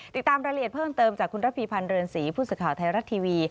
ติดตามรายละเอียดเพิ่มเติมจากคุณระพีพันธ์เรือนศรีผู้สื่อข่าวไทยรัฐทีวี